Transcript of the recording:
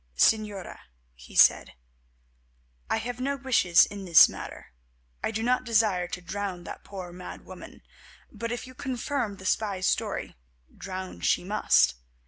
"Señora," he said, "I have no wishes in this matter. I do not desire to drown that poor mad woman, but if you confirm the spy's story, drown she must.